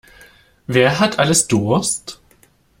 Wer hat alles Durst?